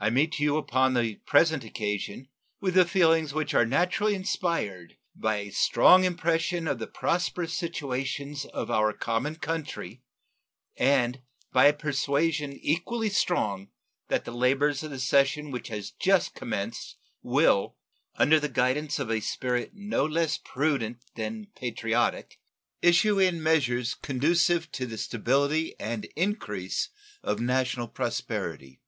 I meet you upon the present occasion with the feelings which are naturally inspired by a strong impression of the prosperous situations of our common country, and by a persuasion equally strong that the labors of the session which has just commenced will, under the guidance of a spirit no less prudent than patriotic, issue in measures conducive to the stability and increase of national prosperity.